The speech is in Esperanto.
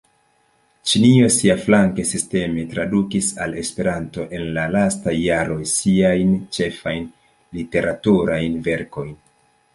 Ĉinio siaflanke sisteme tradukis al Esperanto, en la lastaj jaroj, siajn ĉefajn literaturajn verkojn.